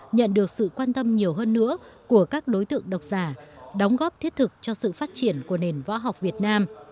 nhận được sự quan tâm nhiều hơn nữa của các đối tượng độc giả đóng góp thiết thực cho sự phát triển của nền võ học việt nam